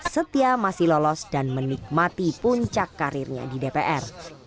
setia masih lolos dan menikmati puncak karirnya di dpr